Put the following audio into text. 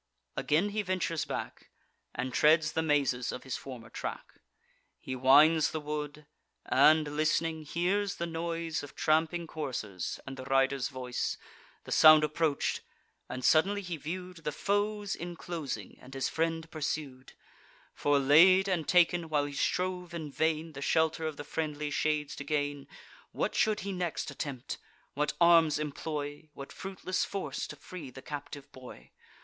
Again he ventures back, And treads the mazes of his former track. He winds the wood, and, list'ning, hears the noise Of tramping coursers, and the riders' voice. The sound approach'd; and suddenly he view'd The foes inclosing, and his friend pursued, Forelaid and taken, while he strove in vain The shelter of the friendly shades to gain. What should he next attempt? what arms employ, What fruitless force, to free the captive boy?